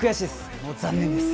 もう残念です。